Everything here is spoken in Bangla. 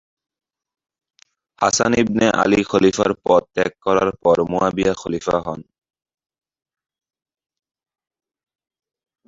হাসান ইবনে আলি খলিফার পদ ত্যাগ করার পর মুয়াবিয়া খলিফা হন।